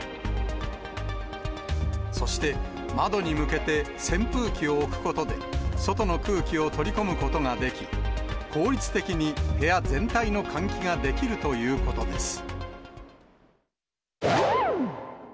そして、窓に向けて扇風機を置くことで、外の空気を取り込むことができ、効率的に部屋全体の換気ができるということです。